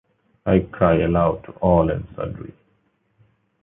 I cry aloud to all and sundry.